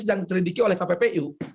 sedang diselidiki oleh kppu